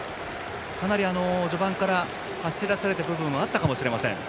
かなり序盤から走らされた部分はあったかもしれません。